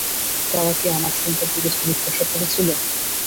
তারা কি আমার সম্পর্কে কিছু জিজ্ঞাসা করেছিল?